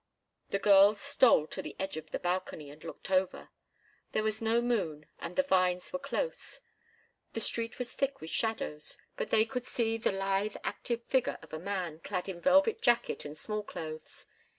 The girls stole to the edge of the balcony and looked over. There was no moon, and the vines were close. The street was thick with shadows, but they could see the lithe, active figure of a man clad in velvet jacket and smallclothes.